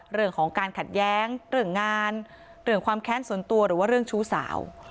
เรื่องของการขัดแย้งเรื่องงานเรื่องความแค้นส่วนตัวหรือว่าเรื่องชู้สาว